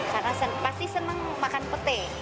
karena pasti senang makan petai